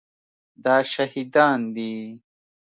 دا شهیدان دي